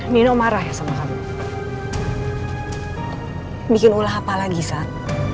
nino marah ya sama kamu bikin ulah apalagi saat